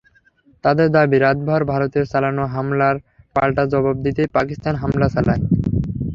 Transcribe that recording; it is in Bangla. তাঁদের দাবি, রাতভর ভারতের চালানো হামলার পাল্টা জবাব দিতেই পাকিস্তান হামলা চালায়।